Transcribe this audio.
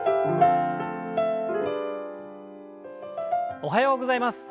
おはようございます。